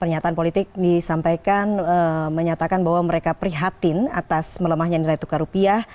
pernyataan politik disampaikan menyatakan bahwa mereka prihatin atas melemahnya nilai tukar rupiah